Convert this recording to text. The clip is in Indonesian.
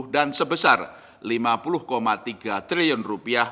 dan sebesar rp lima puluh tiga triliun